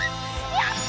やった！